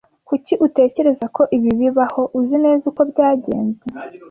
Kuki utekereza ko ibi bibaho? Uzi neza uko byagenze.